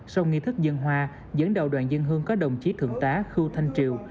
sau nghi thức dân hoa dẫn đầu đoàn dân hương có đồng chí thượng tá khưu thanh triều